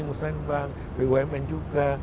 muslim bank bumn juga